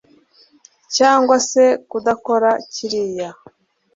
cyangwa se kudakora kiriya